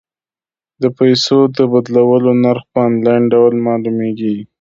د پيسو د بدلولو نرخ په انلاین ډول معلومیږي.